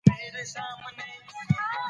د خر مینه لګته ده، که یې ووهلی بیا به ژاړی.